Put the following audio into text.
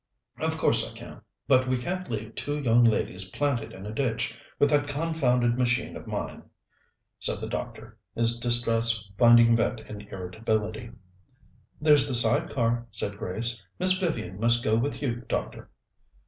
"Of course I can. But we can't leave two young ladies planted in a ditch, with that confounded machine of mine," said the doctor, his distress finding vent in irritability. "There's the side car," said Grace. "Miss Vivian must go with you, doctor."